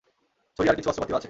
ছুরি আর কিছু অস্ত্রপাতিও আছে!